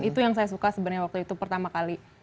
itu yang saya suka sebenarnya waktu itu pertama kali